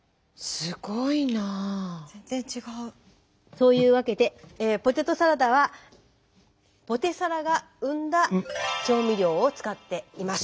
そういうわけでポテトサラダはポテサラが生んだ調味料を使っています。